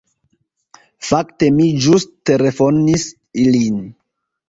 Fakte, mi ĵus telefonis ilin.